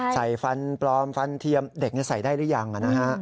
ใส่ฟันปลอมฟันเทียมเด็กใส่ได้หรือยัง